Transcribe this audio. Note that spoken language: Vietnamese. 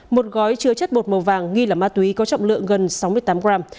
một gói chứa chất bột màu vàng nghi là ma túy có trọng lượng gần sáu mươi tám gram